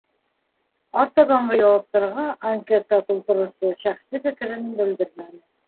Артабанғы яуаптарға анкета тултырыусы шәхси фекерен белдермәне.